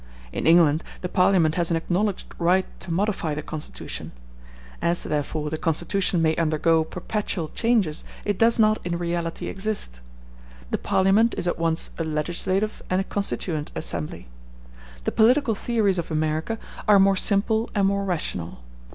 In England the Parliament has an acknowledged right to modify the constitution; as, therefore, the constitution may undergo perpetual changes, it does not in reality exist; the Parliament is at once a legislative and a constituent assembly. The political theories of America are more simple and more rational.